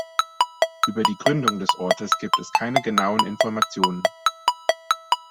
Über die Gründung des Ortes gibt es keine genauen Informationen.